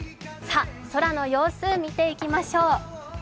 空の様子、見ていきましょう。